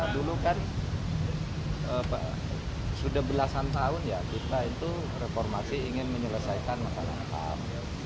dulu kan sudah belasan tahun ya kita itu reformasi ingin menyelesaikan masalah ham